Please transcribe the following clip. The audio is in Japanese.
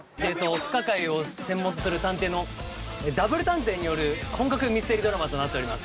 不可解を専門とする探偵のダブル探偵による本格ミステリードラマとなっております。